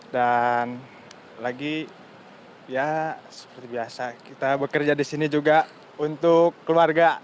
dan lagi ya seperti biasa kita bekerja di sini juga untuk keluarga